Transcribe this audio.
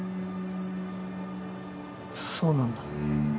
そうなんだ。